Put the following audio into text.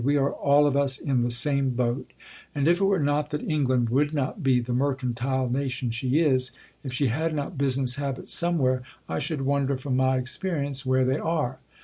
We are all of us in the same boat. And, if it were not that England would not be the mercantile nation she is, if she had not business habits somewhere, I should wonder from my experience where they are.